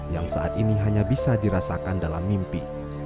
yang saat ini hanya bisa dirasakan dalam mimpi